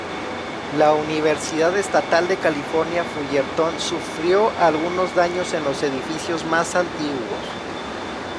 La Universidad Estatal de California Fullerton sufrió algunos daños en los edificios más antiguos.